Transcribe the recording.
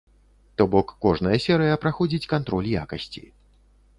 То бок кожная серыя праходзіць кантроль якасці.